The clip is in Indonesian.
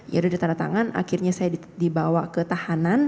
ya udah ada tanda tangan akhirnya saya dibawa ke tahanan